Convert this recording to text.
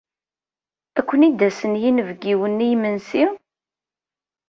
Ad ken-id-asen yinebgiwen i yimensi?